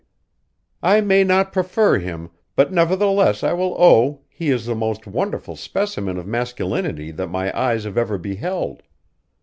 "I may not prefer him, but nevertheless I will own he is the most wonderful specimen of masculinity that my eyes have ever beheld.